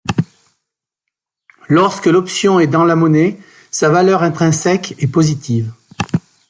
Lorsque l'option est dans la monnaie, sa valeur intrinsèque est positive.